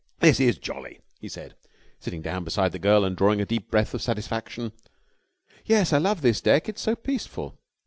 "This is jolly," he said, sitting down beside the girl and drawing a deep breath of satisfaction. "Yes, I love this deck. It's so peaceful."